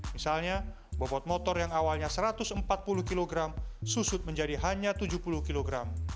misalnya bobot motor yang awalnya satu ratus empat puluh kg susut menjadi hanya tujuh puluh kg